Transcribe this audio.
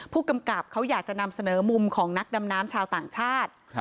ผู้กำกับเขาอยากจะนำเสนอมุมของนักดำน้ำชาวต่างชาติ